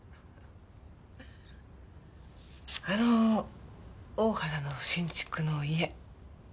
あの大原の新築の家。